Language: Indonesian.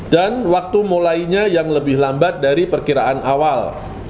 dan waktu mulainya yang lebih lambat dari perkiraan awal